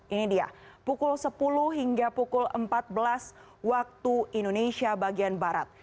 ini dia pukul sepuluh hingga pukul empat belas waktu indonesia bagian barat